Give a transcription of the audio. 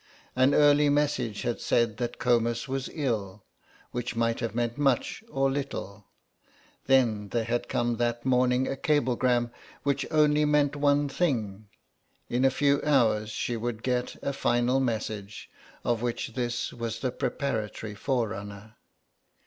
An early message had said that Comus was ill, which might have meant much or little; then there had come that morning a cablegram which only meant one thing; in a few hours she would get a final message, of which this was the preparatory forerunner.